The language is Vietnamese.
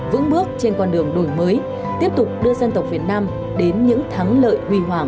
vững bước trên con đường đổi mới tiếp tục đưa dân tộc việt nam đến những thắng lợi huy hoàng